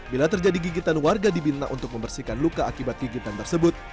bila terjadi gigitan warga dibina untuk membersihkan luka akibat gigitan tersebut